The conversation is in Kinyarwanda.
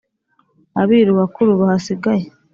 abiru bakurú bahasigáye